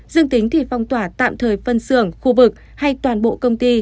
dương tính thì phong tỏa tạm thời phân xưởng khu vực hay toàn bộ công ty